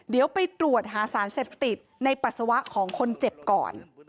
เดี๋ยวไปตรวจหาสารเสพติดในปัสสาวะของคนเจ็บก่อน